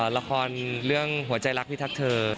ละครเรื่องหัวใจรักพิทักเธอ